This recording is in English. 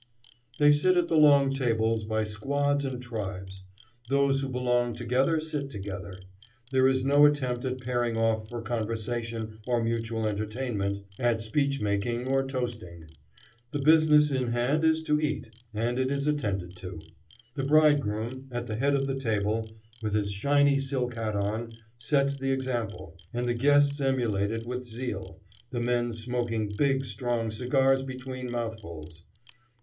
They sit at the long tables by squads and tribes. Those who belong together sit together. There is no attempt at pairing off for conversation or mutual entertainment, at speech making or toasting. The business in hand is to eat, and it is attended to. The bridegroom, at the head of the table, with his shiny silk hat on, sets the example; and the guests emulate it with zeal, the men smoking big, strong cigars between mouthfuls.